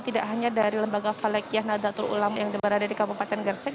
tidak hanya dari lembaga falekiah nadatul ulama yang berada di kabupaten gersik